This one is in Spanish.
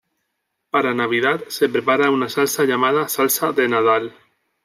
Para navidad se prepara una salsa llamada salsa de Nadal.